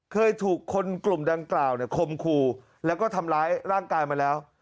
เคยถูกคนกลุ่มดังกล่าวเนี่ยคมคู่แล้วก็ทำร้ายร่างกายมาแล้ว